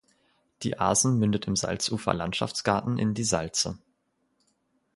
Die Asen mündet im Salzufler Landschaftsgarten in die Salze.